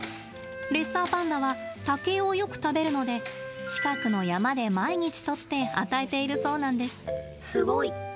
レッサーパンダは竹をよく食べるので近くの山で、毎日とって与えているそうなんです。